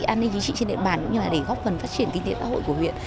an ninh chính trị trên địa bàn cũng như là để góp phần phát triển kinh tế xã hội của huyện